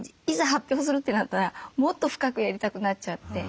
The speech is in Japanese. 発表するってなったらもっと深くやりたくなっちゃって。